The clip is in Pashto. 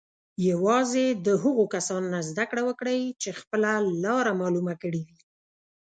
یوازې د هغو کسانو نه زده کړه وکړئ چې خپله لاره معلومه کړې وي.